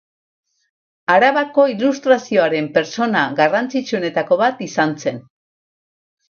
Arabako ilustrazioaren pertsona garrantzitsuetako bat izan zen.